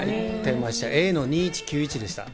Ａの２１９１でした。